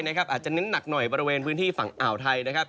อาจจะเน้นหนักหน่อยบริเวณพื้นที่ฝั่งอ่าวไทยนะครับ